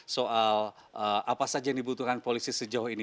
soal apa saja yang dibutuhkan polisi sejauh ini